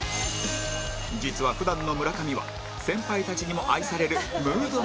実は普段の村上は先輩たちにも愛されるムードメーカー